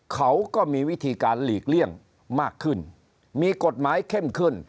เขาก็มีวิธีการหลีกเลี่ยงมากขึ้นมีกฎหมายเข้มขึ้น